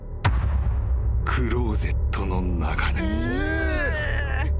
［クローゼットの中に］